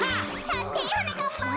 たって！はなかっぱん。